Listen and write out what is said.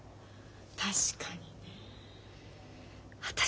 確かにねえ。